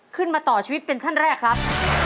ขึ้นมาต่อชีวิตเป็นท่านแรกครับ